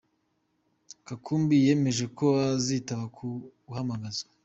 Katumbi yemeje ko azitaba uku guhamagazwa.